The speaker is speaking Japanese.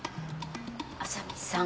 浅海さん。